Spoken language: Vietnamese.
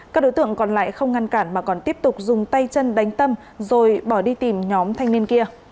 các đối tượng còn lại không ngăn cản mà còn tiếp tục dùng tay chân đánh tâm rồi bỏ đi tìm nhóm thanh niên kia